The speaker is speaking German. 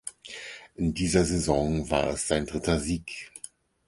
In dieser Saison war es sein dritter Sieg.